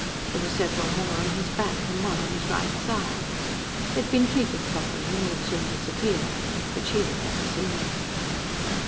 There were several more on his back, and one on his right thigh. They'd been treated properly and would soon disappear. But she had never seen them.